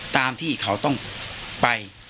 ตามที่เขาต้องไป